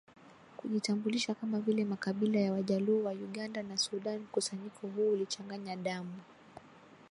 kujitabulisha kama vile makabila ya Wajaluo wa Uganda na Sudan Mkusanyiko huu ulichanganya damu